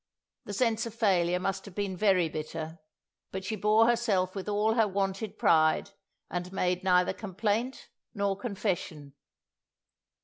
The sense of failure must have been very bitter, but she bore herself with all her wonted pride, and made neither complaint nor confession.